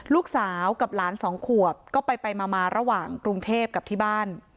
ลูกสาวกับหลานสองขวบก็ไปมาระหว่างกรุงเทพกับที่บ้าน